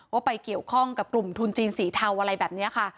ว่าไปเกี่ยวข้องกับกลุ่มทุนจีนสีเทาอะไรแบบนี้ค่ะ